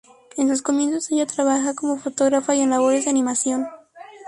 En sus comienzos ella trabajó como fotógrafa y en labores de animación.